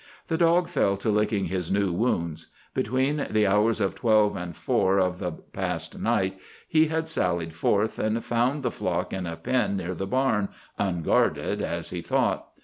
The dog fell to licking his new wounds. Between the hours of twelve and four of the past night he had sallied forth, and found the flock in a pen near the barn, unguarded, as he thought.